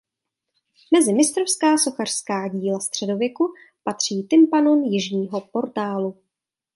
Mezi mistrovská sochařská díla středověku patří tympanon jižního portálu.